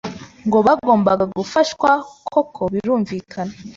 Ngo bagombaga gufashwa koko birumvikana